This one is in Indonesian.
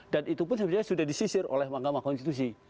dan itu pun sebenarnya sudah disisir oleh manggama konstitusi